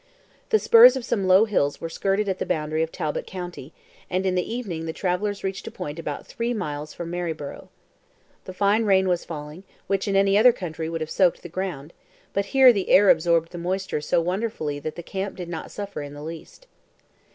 The spurs of some low hills were skirted at the boundary of Talbot County, and in the evening the travelers reached a point about three miles from Maryborough. The fine rain was falling, which, in any other country, would have soaked the ground; but here the air absorbed the moisture so wonderfully that the camp did not suffer in the least.